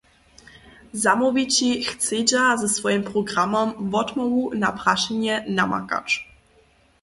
Zamołwići chcedźa ze swojim programom wotmołwu na prašenje namakać.